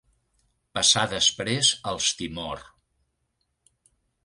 Passà després als Timor: